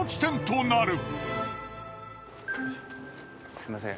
すみません